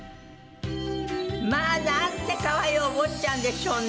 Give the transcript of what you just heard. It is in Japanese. まあなんてかわいいお坊ちゃんでしょうね。